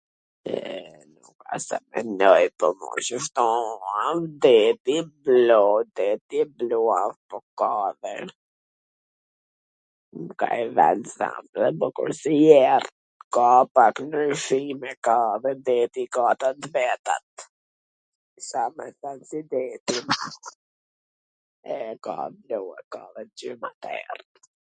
... Ka pak ndryshime, ka dhe deti ka ato t vetat.